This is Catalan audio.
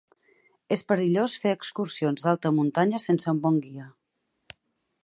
És perillós fer excursions d'alta muntanya sense un bon guia.